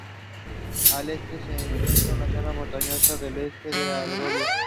Al este se encuentra la zona montañosa del Oeste de Algovia.